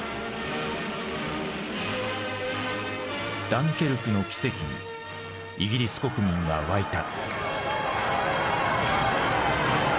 ダンケルクの奇跡にイギリス国民は沸いた。